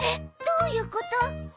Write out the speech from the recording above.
どういうこと？